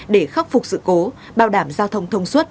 để khắc phục sự cố bảo đảm giao thông thông suốt